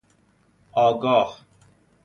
آگاه